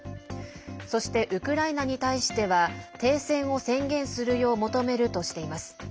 そして、ウクライナに対しては停戦を宣言するよう求めるとしています。